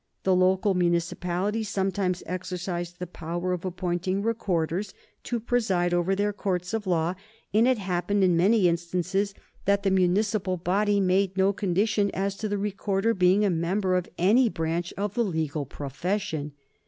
The local municipalities sometimes exercised the power of appointing Recorders to preside over their courts of law, and it happened in many instances that the municipal body made no condition as to the Recorder being a member of any branch of the legal profession.